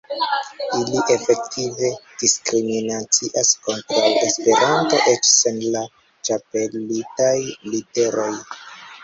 Ili efektive diskriminacias kontraŭ Esperanto eĉ sen la ĉapelitaj literoj.